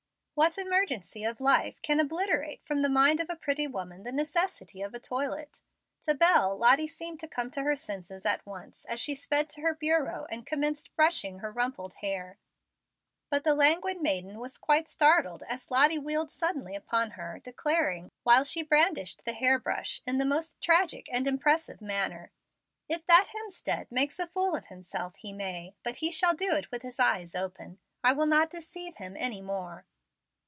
What emergency of life can obliterate from the mind of a pretty woman the necessity of a toilet? To Bel, Lottie seemed to come to her senses at once as she sped to her bureau and commenced brushing her rumpled hair. But the languid maiden was quite startled as Lottie wheeled suddenly upon her, declaring, while she brandished the hair brush in the most tragic and impressive manner, "If that Hemstead makes a fool of himself he may, but he shall do it with his eyes open; I will not deceive him any more."